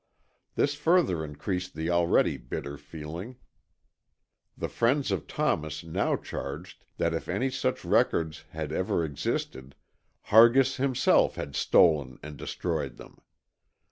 This further increased the already bitter feeling. The friends of Thomas now charged that if any such records had ever existed Hargis himself had stolen and destroyed them.